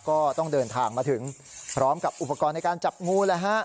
ก็ต้องเดินทางมาถึงพร้อมกับอุปกรณ์ในการจับงูเลยฮะ